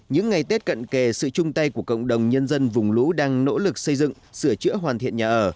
những ngày tết cận kề sự chung tay của cộng đồng nhân dân vùng lũ đang nỗ lực xây dựng sửa chữa hoàn thiện nhà ở